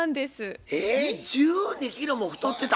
えっ１２キロも太ってた？